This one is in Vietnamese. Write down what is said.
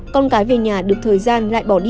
con cái về nhà được thời gian lại bỏ đi